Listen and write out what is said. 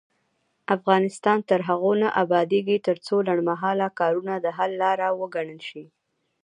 افغانستان تر هغو نه ابادیږي، ترڅو لنډمهاله کارونه د حل لاره وګڼل شي.